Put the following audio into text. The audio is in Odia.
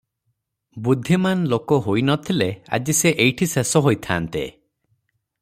ବୁଦ୍ଧିମାନ୍ ଲୋକ ନହୋଇଥିଲେ ଆଜି ସେ ଏଇଠି ଶେଷ ହୋଇଥାନ୍ତେ ।